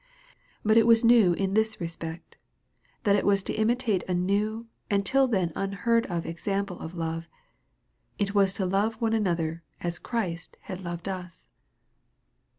But it was new in this respect, that it was to imitate a new, and till then unheard of example of love ; it was to love one another as Christ bad loved us.